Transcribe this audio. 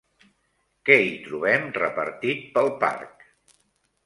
Què hi trobem repartit pel parc?